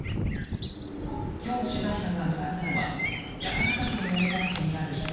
今日、取材班が向かったのは山形県米沢市にある秘湯